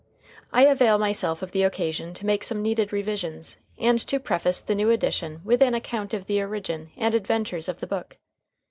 I avail myself of the occasion to make some needed revisions, and to preface the new edition with an account of the origin and adventures of the book.